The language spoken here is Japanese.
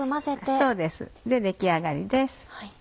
そうです出来上がりです。